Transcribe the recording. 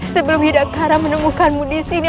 sebelum yudhakara menemukanmu disini